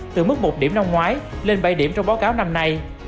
từ mức một điểm năm ngoái lên bảy điểm trong báo cáo năm nay